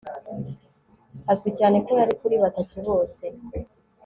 Azwi cyane ko yari kuri Batatu bose